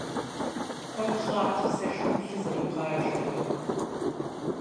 Куэд щӀат и сэшхуэм лъы зэримыгъажэрэ.